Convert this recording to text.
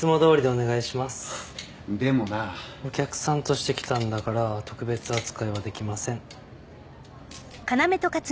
お客さんとして来たんだから特別扱いはできません。